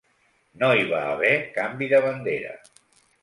No hi va haver canvi de bandera.